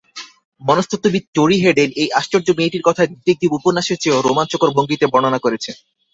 মনস্তত্ত্ববিদ Torey Hayden এই আশ্চর্য মেয়েটির কথা ডিটেকটিভ উপন্যাসের চেয়েও রোমাঞ্চকর ভঙ্গিতে বর্ণনা করেছেন।